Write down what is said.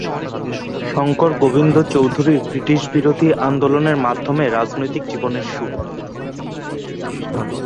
শংকর গোবিন্দ চৌধুরীর ব্রিটিশবিরোধী আন্দোলনের মাধ্যমে রাজনৈতিক জীবনের শুরু।